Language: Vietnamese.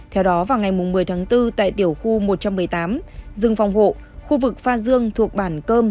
theo đó vào ngày một mươi tháng bốn tại tiểu khu một trăm một mươi tám rừng phòng hộ khu vực pha dương thuộc bản cơm